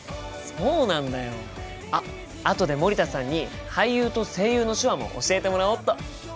あとで森田さんに「俳優」と「声優」の手話も教えてもらおうっと！